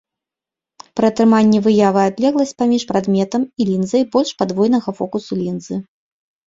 Пры атрыманні выявы адлегласць паміж прадметам і лінзай больш падвойнага фокусу лінзы.